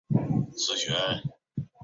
本区域是当时人主要的居住区域。